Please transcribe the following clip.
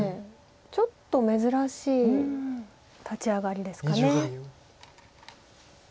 ちょっと珍しい立ち上がりですか。